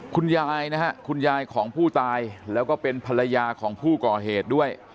คุณยายนะฮะคุณยายของผู้ตายแล้วก็เป็นภรรยาของผู้ก่อเหตุด้วย